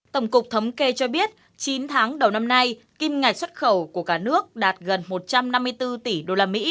tổng cục thống kê cho biết chín tháng đầu năm nay kim ngạch xuất khẩu của cả nước đạt gần một trăm năm mươi bốn tỷ usd